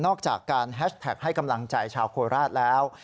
จากการแฮชแท็กให้กำลังใจชาวโคราชแล้ว